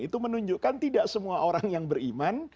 itu menunjukkan tidak semua orang yang beriman